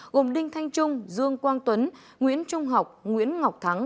gồm đinh thanh trung dương quang tuấn nguyễn trung học nguyễn ngọc thắng